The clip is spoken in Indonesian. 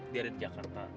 dia ada di jakarta